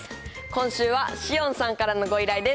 今週は、しおんさんからのご依頼